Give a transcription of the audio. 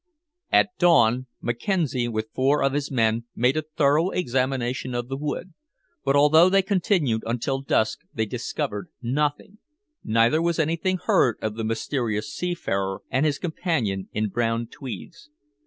At dawn Mackenzie, with four of his men, made a thorough examination of the wood, but although they continued until dusk they discovered nothing, neither was anything heard of the mysterious seafarer and his companion in brown tweeds.